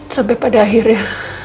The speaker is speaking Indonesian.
sampai pada akhirnya